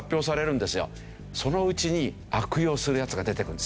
そのうちに悪用するヤツが出てくるんですよ。